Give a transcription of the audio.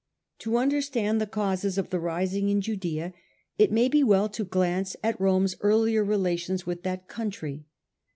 To understand the causes of the theinsurrec rising in Judaea it maybe well to glance at judxa, and Rome's earlier relations with that country.